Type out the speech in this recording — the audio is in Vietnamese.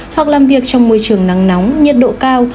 hoặc làm việc trong môi trường nắng nóng nhiệt độ cao